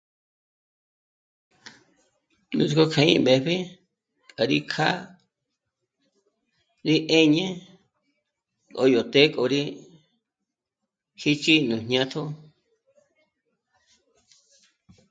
Nuts'k'ó kja ím'ěb'i kja rí kjá'a rí 'éñe k'o yó të́'ë k'o rí jích'i nú jñátjo